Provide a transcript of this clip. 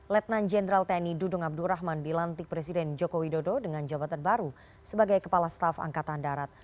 letnan jenderal tni dudung abdurrahman dilantik presiden jokowi dodo dengan jawab terbaru sebagai kepala staf angkatan darat